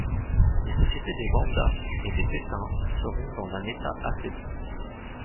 Les sociétés des wendats et pétuns seront dans un état affaibli.